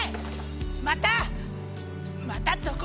またまたどこかで！